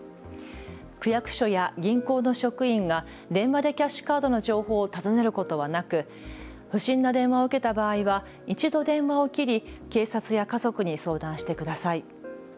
区役所や銀行の職員が電話でキャッシュカードの情報を尋ねることはなく不審な電話を受けた場合は一度、電話を切り警察や家族に相談してください。